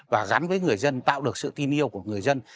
và gắn với người dân tạo được sự tin yêu của người dân